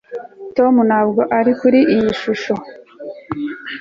Tom ntabwo ari kuri iyi shusho